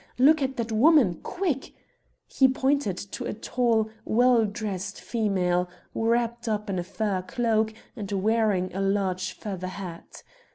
Look at that woman, quick!' He pointed to a tall, well dressed female, wrapped up in a fur cloak, and wearing a large feather hat.